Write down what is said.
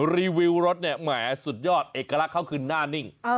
รีวิวรถเนี่ยแหมสุดยอดเอกลักษณ์เขาคือหน้านิ่ง